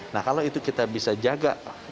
nah kalau itu kita bisa jaga